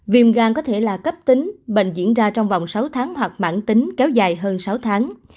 viêm gan có thể là cấp tính bệnh diễn ra trong vòng sáu tháng hoặc mãn tính kéo dài hơn sáu tháng